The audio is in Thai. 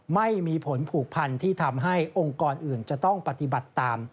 ไม่มีผลผูกพันที่ทำให้องค์กรอื่นจะต้องปฏิบัติตาม